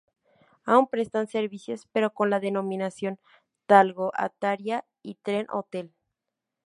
Aún prestan servicios pero con la denominación Talgo, Altaria y Trenhotel.